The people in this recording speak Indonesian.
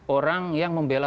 orang yang membela